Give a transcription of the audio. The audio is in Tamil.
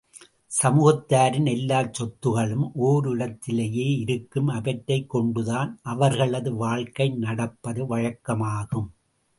சமூகத்தாரின் எல்லா சொத்துக்களும் ஓரிடத்திலேயே இருக்கும் அவற்றைக் கொண்டுதான் அவர்களது வாழ்க்கை நடப்பது வழக்கமாகும்.